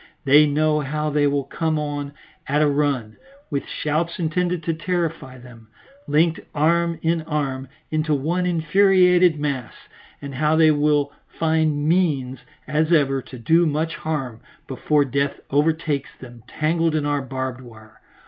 They know how they will come on at a run, with shouts intended to terrify them, linked arm in arm into one infuriated mass, and how they will find means, as ever, to do much harm before death overtakes them entangled in our barbed wire.